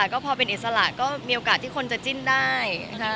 ก็พอเป็นอิสระก็มีโอกาสที่คนจะจิ้นได้